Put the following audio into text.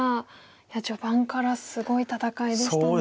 いや序盤からすごい戦いでしたね。